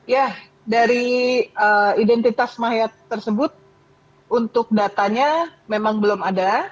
ya dari identitas mayat tersebut untuk datanya memang belum ada